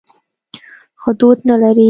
خو دود نه لري.